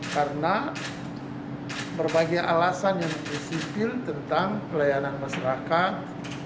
karena berbagai alasan yang disipil tentang pelayanan masyarakat